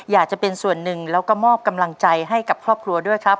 อยากจะเป็นส่วนหนึ่งแล้วก็มอบกำลังใจให้กับครอบครัวด้วยครับ